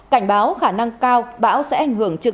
cảnh báo khả năng cao bão sẽ ảnh hưởng trực